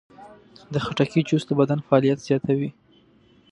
د خټکي جوس د بدن فعالیت زیاتوي.